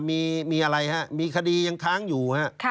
มีอะไรฮะมีคดียังค้างอยู่ฮะ